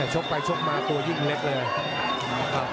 ชกไปชกมาตัวยิ่งเล็กเลย